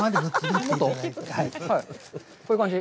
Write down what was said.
こういう感じ。